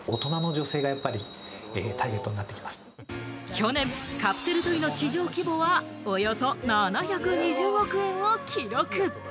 去年、カプセルトイの市場規模はおよそ７２０億円を記録。